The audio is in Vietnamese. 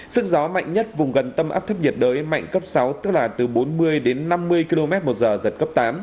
sức gió mạnh nhất vùng gần tâm áp thấp nhiệt đới mạnh cấp sáu tức là từ bốn mươi đến năm mươi km một giờ giật cấp tám